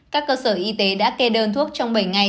các cơ sở y tế đã kê đơn thuốc trong bảy ngày